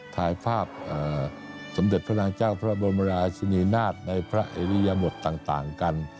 ถ่ายภาพสมเด็จพระนางเจ้าพระบรมราชินีนาฏในพระอิริยบทต่างกัน